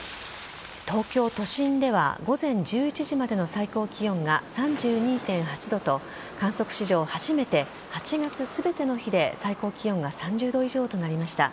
東京都心では午前１１時までの最高気温が３２．８度と観測史上初めて８月全ての日で最高気温が３０度以上となりました。